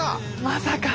まさか！